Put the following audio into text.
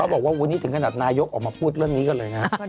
บอกว่าวันนี้ถึงขนาดนายกออกมาพูดเรื่องนี้กันเลยนะ